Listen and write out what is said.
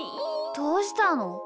どうしたの？